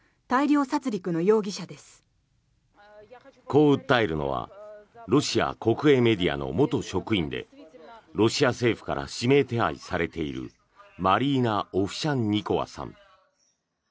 こう訴えるのはロシア国営メディアの元職員でロシア政府から指名手配されているマリーナ・オフシャンニコワさん。